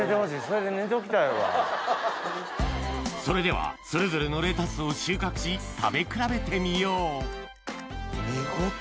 それではそれぞれのレタスを収穫し食べ比べてみよう見事！